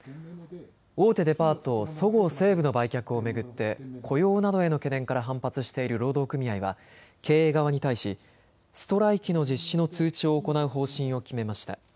大手デパート、そごう・西武の売却を巡って雇用などへの懸念から反発している労働組合は経営側に対し、ストライキの実施の通知を行う方針を決めました。